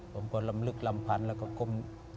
ผมก็ลำลึกลำพันแล้วก็ก้ม